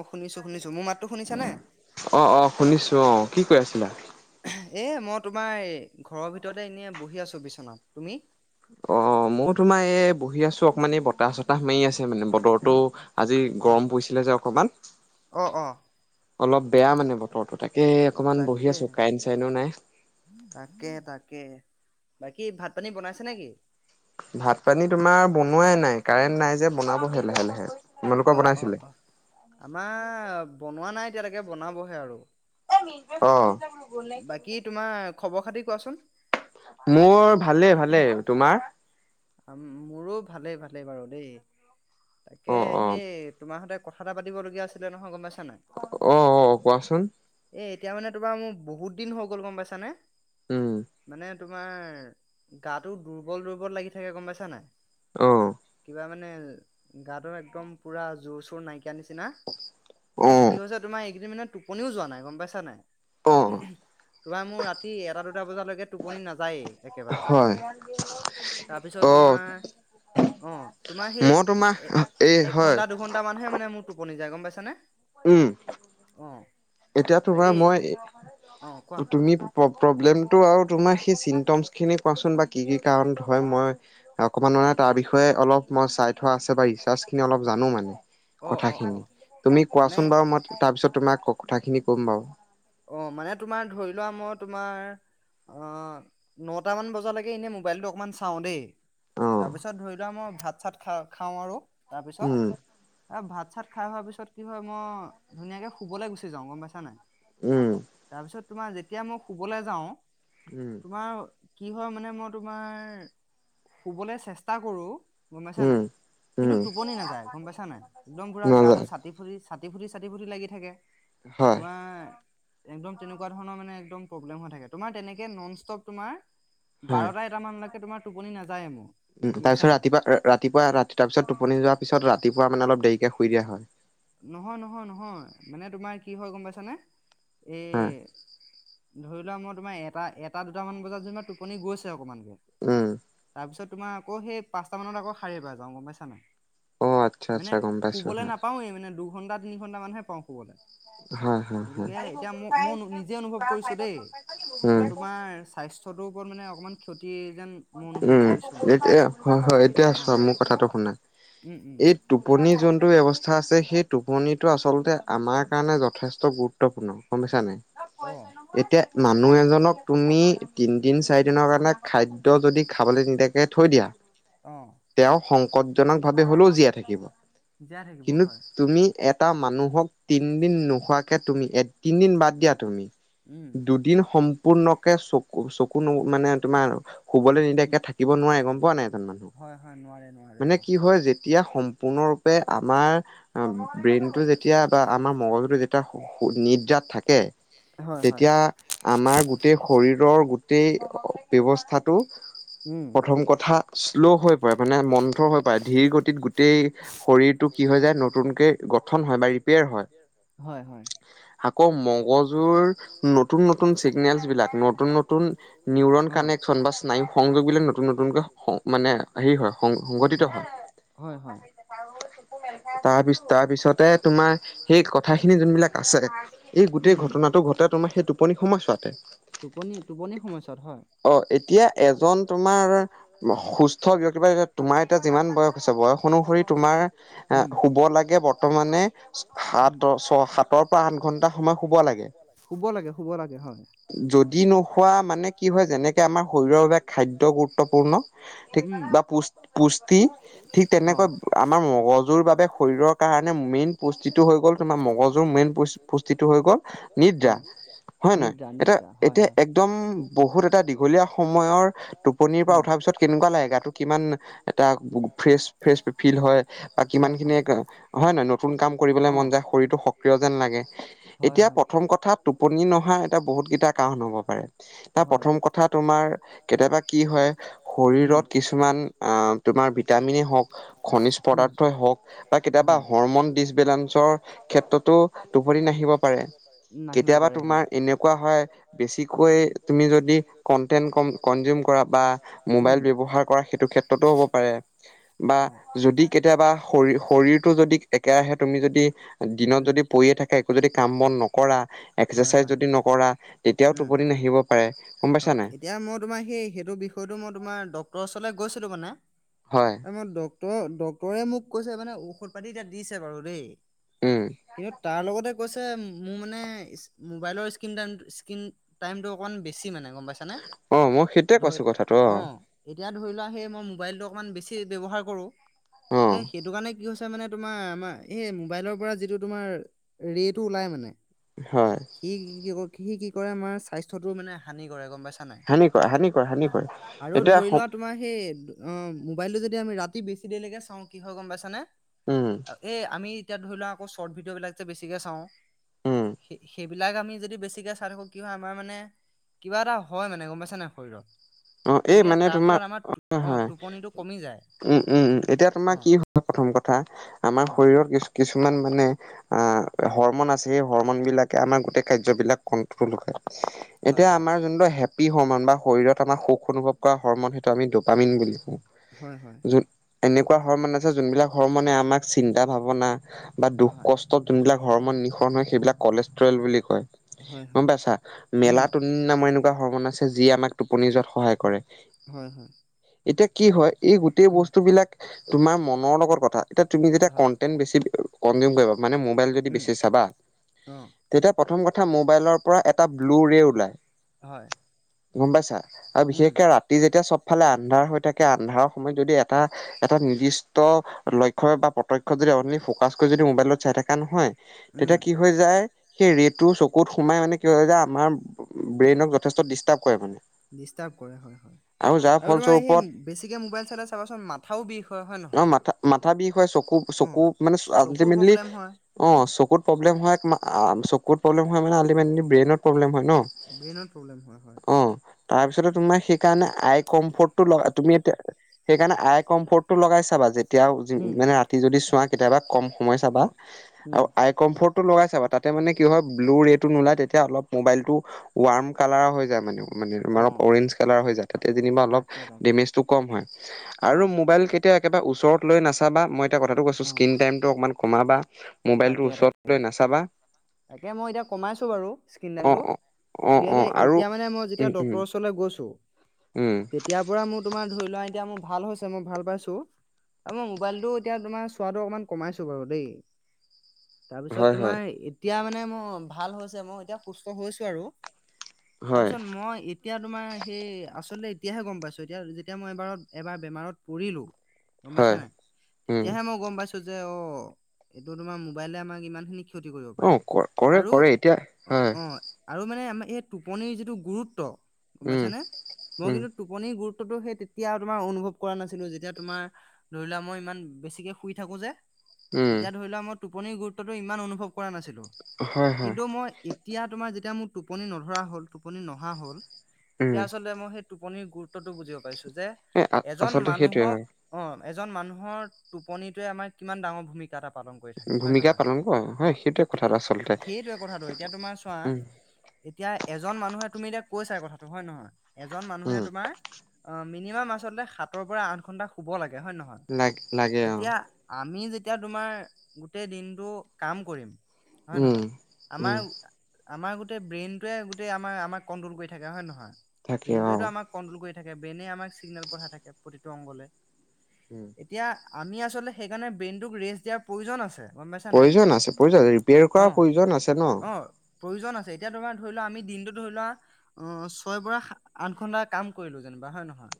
অ', শুনিছো শুনিছো মোৰ মাতটো শুনিছানে? [inaudible] অ', অ' শুনিছোঁ। আ, কি কৈ আছিলা? এ, মই তোমাৰ এই ঘৰৰ ভিতৰতে এনেই বহি আছোঁ বিচনাত। তুমি? অ', অ' মই তোমাৰ এই বহি আছো অকমান, এই বতাহ চতাহ মাৰি আছে মানে বতৰটো আজি অ', গৰম পৰিছিলে যে অকমান, অ', অ', অলপ বেয়া মানে বতৰটো তাক তাকে অকমান তাকে বহি আছোঁ। কাইন চাইনো নাই। তাকে তাকে বাকী ভাত পানী বনাইছে নেকি? ভাত পানী তোমাৰ বনোৱাই নাই, কাৰেণ্ট নাই যে, বনাবহে লাহে লাহে। তোমালোকৰ অ', অ', বনাইছিলে অ' আমাৰ বনোৱা নাই এতিয়ালৈকে, বনাবহে আৰু। অ'। খব খাতি কোৱাচোন? মোৰ ভালে ভালেই তোমাৰ। মোৰোঁ ভালেই ভালেই বাৰু দেই, তাকে অ অ সি তোমাৰহঁতে কথা এটা পাতিবলগীয়া আছিলে নহয় গমপাইছা নাই? অ অ কোৱাচোন এই এতিয়া মানে তোমাৰ মোৰ বহুত দিন হৈ গ'ল গম পাইছানে উম মানে তোমাৰ গাটো দুৰ্বল দুৰ্বল লাগি থাকে গম পাইছা নাই অ কিবা মানে নে গাটো একদম পুৰা জোৰ চোৰ নাইকিয়া নিচিনা অ এ' কি হৈছে তোমাৰ এগিদিন মানে টোপনিও যোৱা নাই গম পাইছা নাই। অ তোমাৰ মোৰ ৰাতি এটা দুটা বজালৈকে টোপনি নাযায়েই একেবাৰে। [inaudible] তাৰপিছত অ তোমাৰ অ', তোমাৰ সেই মই তোমাৰ এই হয় এ-এঘণ্টা দুঘন্টা মানহে মানে মোৰ টোপনি যায় গম পাই উম। এতিয়া তোমাৰ তাকেই মই অ কোৱা কোৱা এ-তুমি প প্ৰব্লেমটো আৰু তোমাৰ সেই চিনটমছ খিনি কোৱাঁ চোন বা কি কি কাৰণত হয়। মই অকমান অ মানে তাৰ বিষয়ে অলপ মই চাই থোৱা আছে বা ৰিচাৰ্চ খিনি অলপ জানো মানে অ অ অ কথাখিনি। তুমি মানে কোৱাচোন বাৰু মই তাৰপিছত তোমাক ক কথাখিনি কম বাৰু। অ', মানে তোমাৰ ধৰি লোৱাঁ মই তোমাৰ অ', নটামান বজালৈকে এনেই মোবাইলটো অকনমান চাওঁ দেই অ', তাৰপিছত ধৰি লোৱাঁ মই ভাত চাত খা খাওঁ আৰু তাৰপিছত উম, এ ভাত চাত খাই হোৱা পিছত কি হয় মই ধুনীয়াকে শুবলে গুচি যাওঁ গম পাইছা নাই। উম। তাৰপিছত তোমাৰ যেতিয়া মই শুবলে যাওঁ, উম, তোমাৰ কি হয় মানে মই তোমাৰ শুবলে চেষ্টা কৰোঁ গম পাইছা উম, নাই। কিন্তু উম, টোপনি নাযায় গম পাইছা নাই একদম পুৰা গাটো নাযায় চাটি ফুটি চাটি ফুটি চাটি ফুটি লাগি থাকে। হয়, তোমাৰ একদম তেনেকুৱা ধৰণৰ মানে একদম প্ৰব্লেম হৈ থাকে। তোমাৰ তেনেকে নন ষ্টপ তোমাৰ হয়। বাৰটা এটামানলৈকে তোমাৰ টোপনি নাযায়ে মোৰ। উম, গম পাইছা তাৰপিছত নাই ৰাতিপুৱা ৰা ৰাতিপুৱা ৰাত তাৰপিছত টোপনি যোৱাৰ পিছত ৰাতিপুৱা মানে অলপ দেৰিকে শুই দিয়া হয়। নহয় নহয় নহয় মানে তোমাৰ কি হয় গম পাইছানে, হয়, এই ধৰি লোৱা, মই তোমাৰ এটা এটা দুটামান বজাত যেনিবা টোপনি গৈছে অকমান। উম, তাৰপিছত তোমাৰ আকৌ সেই পাঁচটা মানত আকৌ সাৰে পাই যাওঁ গম পাইছা নে। অ', আচ্ছা মানে আচ্ছা গম পাইছো শুবলে হা। নাপাওঁয়ে মানে দুঘন্টা, তিনি ঘন্টা মানহে পাওঁ শুবলে। হয় হয় হয়। গতিকে এতিয়া ম ম নিজে অনুভৱ কৰিছোঁ দেই। মোৰ তোমাৰ স্বাস্থ স্থ্যটো ওপৰত মানে অকমান ক্ষত উম, এতিয়া হয় হয় এতিয়া অ চোৱা, মোৰ কথাটো শুনা উম উম এই টোপনি যোনটো ব্যৱচ থা আছে, সেই টোপনিটো আচলতে আমাৰ কাৰণে যথেষ্ট গুৰুত্বপূৰ্ণ গম পাইছা নাই। অ এতিয়া মানুহ এজনক তুমি তিন দিন চাৰি দিনৰ কাৰণে খাইদ দ্য যদি খাবলে নিদিয়াকে থৈ দিয়া অ'। তেওঁ সংকটজনক ভাৱে হ'লেও জীয়াই থাকিব। জীয়াই থাকিব কিন্তু হয় তুমি এ এটা মানুহক তিনদিন নোখোৱাকে তুমি এ তিনদিন বাদ দিয়া তুমি। উম দুদিন সম্পূৰ্ণকে চকু চকু ন মানে তোমাৰ শুবলে উম নিদিয়াকে থাকিব নোৱাৰে অ গম পোৱা নাই এজন মানুহ। হয় হয় নোৱাৰে নোৱাৰে মানে অ কি হয় যে তিয়া সম্পূৰ্ণৰূপে আমাৰ আ ব্ৰেইনটো যেতিয়া বা আমাৰ মগজুটো যেতিয়া শু সু নিদ্ৰাত থাক কে হয় হয় তেতিয়া আমাৰ গোটেই শৰীৰৰ গোটেই অ', ব্যৱস্থাত টো উম প্ৰথম কথা শ্ল' হৈ পৰে, মানে মন্থ হৈ পাই ধীৰ গতিত গোটেই শৰীৰটো কি হৈ যায় নতুনকে গঠন হয় বা ৰিপেয়াৰ হয় হয়, হয়। আকৌ মগজুৰ নতুন নতুন চিগনেলচ বিলাক, নতুন নতুন নিউৰন কান চন বা স্নায়ু সংযোগিলে নতুন নতুনকৈ সং মানে হেৰি হয় সং সংঘটিত হয়, হয়, হয় তাৰ পিছ তাৰ পিছতে তোমাৰ সেই কথাখিনি যোনবিলাক আছে, এই গোটেই ঘটনাটো ঘটে তোমাৰ সেই টোপনি সময়ছোৱাতে। টোপনি, টোপনি সময়ছোৱাত হয়, অ' এতিয়া এজন তোমাৰ সুস্থ ব্যক্তি বা এতিয়া তোমাৰ এতিয়া যিমান বয়স হৈছে, বয়স অনুসৰি তোমাৰ অ, শুবন উম, ছয় সাতৰ পৰা আঠ ঘন্টা সময় শুব লাগে। শুব লাগে। শুব লাগে, হয়। যদি নুশুৱা মানে কি হয়, যেনেকে আমাৰ শ শৰীৰৰ বাবে খাদ্য গুৰুত্বপূৰ্ণ, ঠিক উম বা পু-পুষ্টি ঠিক অ তেনেকৈ আমাৰ মগজুৰ বাবে শৰীৰৰ কাৰণে মেইন পুষ্টিটো হৈ গ'ল, তোমাৰ মগজুৰ মেইন পু-পুষ্টিটো হৈ গ'ল অ। নিদ্ৰা। হয় নহয়? নিদ্ৰা এটা নিদ্ৰা এতিয়া হয় একদম বহুত এটা দীঘলীয়া সময়ৰ টোপনিৰ পৰা উম। উঠা পিছত কেনেকুৱা লগে গাটো, কিমান এটা ফ্ৰেছ ফ্ৰেছ ফিল হয়। হয়, বা কিমানখিনি হয় নহয়? নতুন কাম কৰিবলে মন যায় শৰীৰতো সক্ৰিয় যেন লাগে, হয় এতিয়া প্ৰথম কথা টো পনি নহা এটা বহুত কেইটা কাৰণ হ'ব পাৰে, হয় তাৰ হয়। প্ৰথম কথা, তোমাৰ ৰ, কেতিয়াবা কি হয়, শৰীৰত কিছুমান, আ, তোমাৰ ভিটামিনেই হওক, খ নিজ পদাৰ্থই হওক বা কেতিয়াবা হৰমন ডিচবেলেঞ্চৰ ক্ষেত্ৰতো টোপনি নাহিব পাৰে। কেতিয়াবা তোমাৰ এনেকুৱা হয়, বেছিকৈ তুমি যদি [unintelligible] ক-কন্সুম কৰা, বা উম ম'বাইল ব্যৱহাৰ কৰা সেইটো ক্ষেত্ৰতো হব পাৰে। বা অ যদি কেতিয়াবা শৰ-শৰীৰতটো যদি একেৰাহে তুমি যদি দিনত উম যদি পৰিয়ে থাকা, একো যদি কাম বন নকৰা, হয় এক্সাৰচাইজ হয় যদি নকৰা, তেতিয়াও উম টোপনি নাহিব পাৰে। গম অ, পাইছা নাই এতিয়া মই তোমাৰ সেই-সেইটো বিষয়টো মই তোমাৰ ডক্টৰ ওচৰলৈ গৈছিলো মানে। হয় আ, মই ডক্তৰ ডক্তৰে মোক কৈছে মানে ঔষধ পাতি এতিয়া দিছে বাৰু দেই। উম কিন্তু তাৰ লগতে কৈছে মোৰ মানে মোবাইলৰ স্কিন টাইম স্কিন টাইমতটো অকন বেছি মানে গম পাইছানে? অ মই সেইটোৱে ধ, কৈছো কথাটো অ, এতিয়া ধৰি লোৱা সেই মই ম'বাইলতো অ কমান বেছি ব্যৱহাৰ কৰো, অ সেইটো কাৰণে কি হৈ ছে মানে তোমাৰ আমাৰ এই মোবাইলৰ পৰা যিটো তোমাৰ ৰেইটো ওলাই মানে [unintelligible] হয় সি কি কৰে আমাৰ স্বাস্থ্যতটো মানে হানি কৰে গম পাই হানি কৰে হানি কৰে হানি কৰে আৰু এতিয়া ধৰি সম লোৱা তোমাৰ সেই, অ, ম'বাইলটো যদি আমি ৰাতি বেছি দেৰিলৈকে চাওঁ কি হয় গম পাইছানে? উম এই আমি এতিয়া ধৰি লোৱা আকৌ শৰ্ট ভিডিঅ' বিলাক যে বেছিকে চাওঁ, উম সে-সে বিলাক আমি যদি বেছিকে চাই থাকো কি হয় আমাৰ মানে, কিবা এটা হয় মানে গম পাইছো নাই শৰীৰত। অ এই গতিকে মানে তাৰ তোমাৰ ফলত আমাৰ, অ, হয় টোপনিটো কমি যায়। উম, উম, এতিয়া তোমাৰ অঁ কি হয় প্ৰথম কথা, আমাৰ উম শৰীৰত কি-কিছু কিমান মানে আহ, হৰমন আছে সেই হৰমন বিলাকে আমাৰ গোটেই কাৰ্যবলাক কন্ট্ৰল কৰে। হয় এতিয়া হয় আমাৰ যোনটো হেপি হৰমন, বা শৰীৰত আমাৰ সুখ অনুভৱ কৰা হৰ্মন সেইটো আমি দ'পামিন বুলি কওঁ। হয়, হয়, যোন এনেকুৱা হৰ্মন আছে, যোনবিলাক হৰমনে আমাক চিন্তা ভাৱনা, বা দুখ হয় কষ্টত যোনবিলাক হৰ্মন নিসৰণ হয়, সেইবিলাক কলেষ্টল বুলি কয়। হয় গম হয় পাইছা? উম মেলা টোন নামৰ এনেকুৱা হৰমন আছে যিয় আমাক টোপনি যোৱাত সহায় কৰে। হয় হয় এতিয়া কি হয়, এই গোটেই উম বস্তু বিলাক তোমাৰ মনৰ লগত কথা। এতিয়া তুমি যেতিয়া হয় কটেন্ট বেছি কনজিওম কৰিবা মানে মোবাইল যদি উম বেছি চাবা, অ তেতিয়া প্ৰথম কথা থা মোবাইলৰ পৰা এটা ব্লু ৰে ওলায় হয়। গম পাইছা আৰু উম বিশেষকে ৰাতি যেতিয়া চব ফালে আন্ধাৰ হৈ থাকে আন্ধাৰৰ সময়ত যদি এটা এটা নিৰ্দিষ্ট লক্ষ্য বা প্ৰতক্ষ্য যদি যে অনলি ফকাচ কৰি যদি মোবাইলত চাই থকা নহয় উম তেতিয়া কি হৈ যায় সেই ৰে টো চকুত সোমাই মানে কি হয় যে আমাৰ ব্ৰেইনক যথেষ্ট ডিষ্টাৰ্ব কৰে মানে। ডিৰ্ষ্টাব কৰে হয় হয়, যাৰ আৰু তোমাৰ সেই ফলস্বৰূপত বেছিকে মোবাইল চালে চাবাচোন মাথাও বিষ হয় হয় অ', নহয় মাথা-মাথা বিষ হয় চ অ কু-চকু মানে চকুৰ আলটিমেতলি প্ৰব্লেম হয় উম অ', চকুত প্ৰবলেম হয় চকুত প্ৰব্লেম হয় মানে আলটিমেতলি ব্ৰেইনত প্ৰবলেম হয় ন', ব্ৰেইনত প্ৰব্লেম হয় হয় অ', তাৰপাছতে তুমাৰ সেইকাৰণে আই কমফৰ্ট টো লগা তুমি এতিয়া সেইকাৰণে আই কমফৰ্ট টো লগাই চাবা। এতিয়াও উম মানে ৰাতি যদি চোৱা কেতিয়াবা কম সময় চাবা অ উম আৰু আই কমফৰ্ট টো লগাই চাবা তাতে মানে কি হয় ব্লু ৰে টো নোলাই তেতিয়া অলপ মোবাইলটো ৱাৰ্ম কালাৰ হৈ যায় মানে। মানে আ অ অলপ অৰেজ্ঞ কালাৰৰ হৈ যায়, তেতিয়া যিনিবা অলপ তাকে তাকে দেমেজটো কম হয়, অ আৰু মোবাইল কেবা ওচৰত লৈ নাচাবা মই এ কথাটো কৈছো অ স্ক্ৰীন টাইমতটো অকমান কমাবা মবাইলতটো তাকে তাকে ওচৰতলৈ নাচাবা তাকে মই এতিয়া কমাইছো বাৰু স্ক্ৰীন অ টাইমটো। অ অ কি অ যে আৰু এতিয়া মানে মই যেতিয়া উম উম ডক্টৰৰ ওচৰলৈ গৈছোঁ উম তেতিয়াৰ পৰা মোৰ তোমাৰ ধৰি লোৱা এতিয়া মোৰ ভাল হৈছে মই ভাল পাইছো, আৰু মই মোবাইলতটো এতিয়া তোমাৰ চোৱাটো অকমান কমাইছো বাৰু দেই তাৰপিছত হয় তোমাৰ হয় এতিয়া মানে মই ভাল হৈছে মই এতিয়া সুস্থ হৈছো আৰু। হয় তাৰপিছত মই এতিয়া তোমাৰ সেই আচলতে এতিয়াহে গম পাইছো এতিয়া যেতিয়া মই এবাৰত এবাৰ বেমাৰত পৰিলো গম পাইছা হয় নে উম তেতিয়াহে মই গম পাইছো যে অ', এইটো তোমাৰ মোবাইলে আমাক ইমানখিনি ক্ষতি কৰিব অ পাৰে ক কৰে আৰু কৰে এতিয়া হয় অ', আৰু মানে আ এই টোপনিৰ যিটো গুৰুত্ব গম উম পাইছানে মই উম কিন্তু টোপনিৰ গুৰুত্ব ত্বটো সেই তেতিয়া তোমাৰ অনুভৱ কৰা নাছিলো যেতিয়া তোমাৰ ধৰিলোৱা মই ইমান বেছিকে শুই থাকো যে উম তেতিয়া ধৰি লোৱা মই টোপনিৰ গুৰুত্বটো ইমান অনুভৱ কৰা নাছিলো হয় হয় কিন্তু মই এতিয়া তোমাৰ যেতিয়া মোৰ টোপনি নধৰা হ'ল টোপনি নহা হ'ল তেতিয়া উম আচলতে মই সেই টোপনিৰ গুৰুত্বটো বুজিব পাইছো যে এ এজন আচলতে সেইটোৱে মানুহক হয় অ' এজন মানুহৰ টোপনিটোয়ে আমাৰ কিমান ডাঙৰ ভূমিকা এটা পালন কৰি থাকে হয় ভূমিকা নহয় পালন কৰে অ হয় সেইটোৱে এতি কথা এ আচলতে। সেইটোৱে কথাটো এতিয়া তোমাৰ চোৱা উ, এতিয়া এজন মানুহে তুমি এতিয়া কৈছাই কথাটো হয় নহয়, এজন মানুহে উম তোমাৰ অ মিনিমাম আচলতে সাঁতৰ পৰা আঠ ঘন্টা শুব লাগে হয় নে নহয় লাগ লাগে অ এতিয়া আমি যেতিয়া তোমাৰ গোটেই দিনটো কাম কৰিম হয় উম নহয়, উম আমাৰ আমাৰ গোটেই ব্ৰেইনটোৱে গোটেই আম-আমাক কণ্ট্ৰল কৰি থাকে হয় নহয়, থাকে অ ব্ৰেইনটোৱেটো আমাক কণ্ট্ৰল কৰি থাকে ব্ৰেইনে আমাক চিগনেল পঠাই থাকে প্ৰতিটো অংগলে, উম এতিয়া আমি আচলতে সেইকাৰণে ব্ৰেইনটোক ৰেষ্ট দিয়াৰ প্ৰয়োজন আছে। গম পাইছা নাই প্ৰয়োজন আছে প্ৰয়োজন আছে ৰিপেয়াৰ কৰাৰ অ প্ৰয়োজন আছে অ ন'। প্ৰয়োজন আছে এতিয়া তোমাৰ ধৰি লোৱা আমি দিনটো ধৰি লোৱা অ', ছয়ৰ পৰা আঠ ঘন্টা কাম কৰিলো যেনিবা হয় নহয়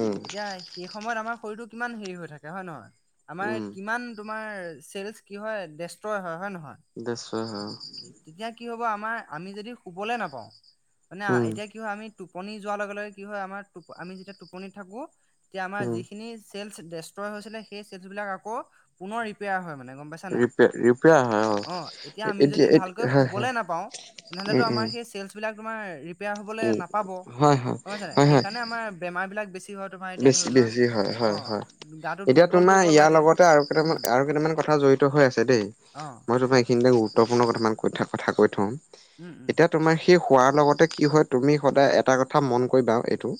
উম এতিয়া সেই সময়ত আমাৰ শৰীৰটো কিমান হেৰি হৈ থাকে হয় নহয়। আমাৰ উম কিমান তোমাৰ ছেলচ কি হয় দেষ্ট্ৰয় হয়, হয় নহয়। দেষ্ট্ৰয় হয় কি- তেতিয়া অ'। কি হ'ব আমাৰ আমি যদি শুবলৈ নাপাও মানে উম এতিয়া কি হয় আমি টোপনি যোৱাৰ লগে লগে কি হয় আমাৰ আমি যেতিয়া টোপনিত থাকো তেতিয়া আমাৰ উম যিখিনি ছেলচ দেশ ডেষ্ট্ৰয় হৈছিলে সেই চেলছ বিলাক আকৌ পুনৰ ৰিপেয়াৰ হয় মানে। গম পাইছা নাই ৰিপে-ৰিপেয়াৰ হয় এতিয়া অ'। আমি যদি ভালকৈ এত-এতিয়া শুবলে নাপাওঁ হয়-হয়। তেনেহ'লেতো আমাৰ সেই চেলচ বিলাক তোমাৰ ৰিপেয়াৰ হ'বলে উম নাপাব, হয় হয় নহয় যে? সেইকাৰণে আমাৰ বেমাৰ বিলাক বেছি হয় তোমাৰ এতিয়া ধৰি লোৱা বেছি-বেছি। হয়, অ হয়, হয়। গাটো এতিয়া দুৰ্বল তোমাৰ দুৰ্বল ইয়াৰ লাগে লগতে আৰু কেইটামান উম আৰু কেইটামান কথা জড়িত হৈ আছে দেই। অ মই তোমাৰ এইখিনিতে গুৰুত্বপূৰ্ণ কেইটামান কথা-কথা কৈ থওঁ, উম উম এতিয়া তোমাৰ সেই শোৱাৰ লগতে কি হয়, তুমি সদায় এটা কথা মন কৰিবা এইটো,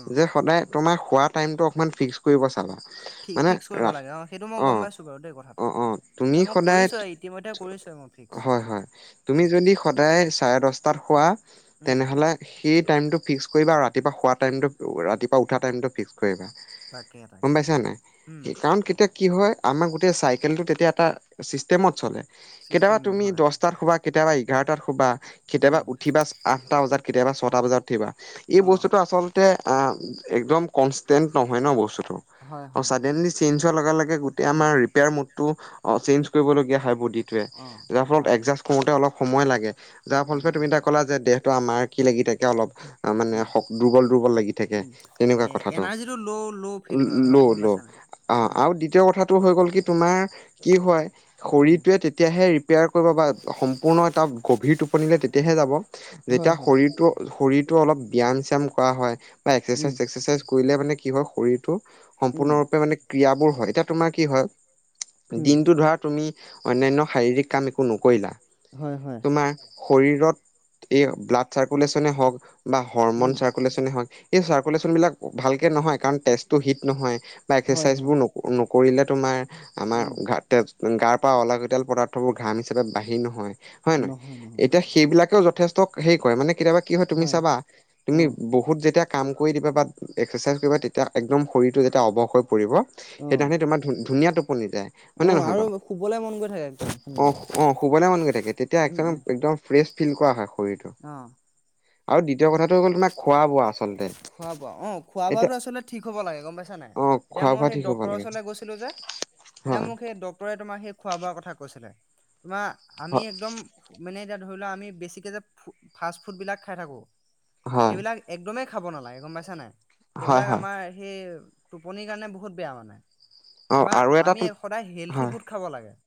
অ যে সদায় তোমাৰ শুৱা টাইমটো অকণমান ফিক্স কৰিব চাবা। মানে ফি-ফিক্স কৰিব ৰাতি লাগে অ'। সেইটো মই গম অ', পাইছো বাৰু দেই কথাটো। অ', অ', তুমি এ মই সদায়, কৰিছোৱে ইতিমধ্যে কৰিছোৱে মই ফিক্স হয়-হয়। তুমি উম যদি সদায় চাৰে দছটাত শুৱা, উম তেনেহ'লে সেই টাইমটো ক ফিক্স কৰিবা আৰু ৰাতিপুৱা শোৱা টাইমটো, ৰ-ৰাতিপুৱা উঠা টাইমটো ফিক্স কৰিবা। তাকে গম তাকে পাইছা নে নাই! উম কাৰণ কেতিয়া কি হয়, আমাৰ গোটেই চাইকেলটো তেতিয়া এটা চিষ্টেমত চলে। কেতিয়াবা চিষ্টেমত তুমি হয় দছটাত শুবা কেতিয়াবা এঘাৰটাত শুবা, কেতিয়াবা উম উঠিবা চ-আঠটা বজাত কেতিয়াবা ছটা বজাত উঠিবা, এই অ বস্তুটো আচলতে আ-একদম কনষ্টেন্ট নহয় ন' বস্তুটো! হয় অ, হয় চাদেনলী চেঞ্জ হোৱাৰ লগে-লগে গোটেই উম আমাৰ ৰিপেয়াৰ ম'ডটো অ', চেঞ্জ কৰিবলগীয়া হয় বডিটোৱে। অ যাৰ হয় ফলত হয় এডজাষ্ট কৰোতে অলপ সময় লাগে। যাৰ ফলতে সময় তুমি এতিয়া লাগে ক'লা যে, দেহটো আমাৰ কি লাগি থাকে অলপ অ' মানে উম স-দুৰ্বল-দুৰ্বল লাগি থাকে, উম। তেনেকুৱা এ কথাটো। এনাৰ্জিটো ল' ল' ফিল হয় হয় গম ল-ল'-ল', পাইছা নাই? আহ, উম। আৰু দ্বিতীয় কথাটো টো হৈ গ'ল কি, তোমাৰ কি হয়, উম, শৰীৰটোৱে তেতিয়াহে ৰিপে ৰিপেইৰ কৰিব বা সম্পূৰ্ণ এটা গভীৰ টোপনীলে তেতিয়াহে যাব, হয় যেতিয়া হয়, শৰীৰটো শৰীৰটো অলপ ব্যায়াম-চ্যায়াম কৰা হয়, বা উম, এক্সাৰচাইজ-চেক্সাৰচাইজ কৰিলে মানে কি হয় শৰীৰ টো উম, সম্পূৰ্ণৰূপে মানে ক্ৰিয়াবোৰ হয়। এতিয়া তোমাৰ কি হয় উম, দিনটো ধৰা তুমি অন্যান্য শাৰীৰিক কাম একো নকৰিলা, হয়, হয়। তোমাৰ শৰীৰত এই ব্লাড চাৰ্কুলেশ্বনে হওঁক বা হৰমন উম। চাৰ্কুলেশ্বনে হওঁক এই চাৰ্কুলেশ্বনবিলাক ভালকে নহয়, কাৰণ তেজটো হিট নহয় বা হয় হয়। এক্সাৰচাইজবোৰ নক-নক কৰিলে তোমাৰ, আমাৰ উম, ঘা-তেজ গাৰ পৰা অলাগতিয়াল পদাৰ্থবোৰ ঘাম হিচাপে বাহিৰ নহয়। হয় নাই? নহয় নহয়, এতিয়া সেইবিলাকেও যথেষ্ট হেই কৰে মানে কেতিয়াবা কি হয়, তুমি চাবা, তুমি অ', বহুত যেতিয়া কাম কৰি দিবা বা এক্সাৰচাইজ কৰিবা তেতিয়া একদম শৰীৰটো যেতিয়া অৱস হৈ পৰিব, অ'। সেইদিনাখনি তোমাৰ ধু-ধুনীয়া টো নী যায়, হয় নে অ', নহয় আৰু বাৰু? শুবলে মন গৈ থাকে একদম সোনকালে, অ', অ', শুবলে মন গৈ থাকে। তেতিয়া উম, উম। একদম-একদম ফ্ৰেচ ফিল কৰা হয় শৰীৰটো। অ', আৰু দ্বিতীয় কথাটো হ'ল তোমাৰ খোৱা-বোৱা আচলতে খোৱা-বোৱা। অ', এতিয়া খোৱা-বোৱাটো আচলতে ঠিক হ'ব লাগে গম পাইছা নাই? অ এতিয়া খোৱা মই বোৱা সেই ঠিক হ'ব ডক্টৰ লাগে ওচৰলে গৈছিলোঁ যে তেতিয়া হয় মোক সেই ডক্তৰে তোমাৰ সেই খোৱা-বোৱা কথা কৈছিলে। তোমাৰ আমি হয় একদম, মানে এতিয়া ধৰি লোৱা, আমি বেছিকে যে ফু-ফাষ্ট-ফুডবিলাক খাই থাকোঁ, হয় সেইবিলাক একদমে খাব নালাগে গম পাইছা নাই? হয় সেইবিলাক হয় আমাৰ সেই টোপনিৰ কাৰণে বহুত বেয়া মানে। অ তোমাৰ, আৰু এটা আমি সদায় হেল্থি হয় ফুড খাব লাগে।